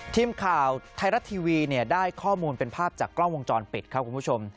ทีมข่าวไทยรัฐทีวีเนี่ยได้ข้อมูลเป็นภาพจากกล้องวงจรปิดครับคุณผู้ชม